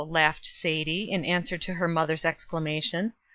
laughed Sadie, in answer to her mother's exclamation.